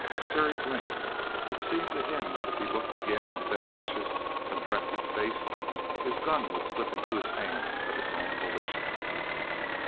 Terry blinked. It seemed to him that if he looked again at that vicious, contracted face, his gun would slip into his hand of its own volition.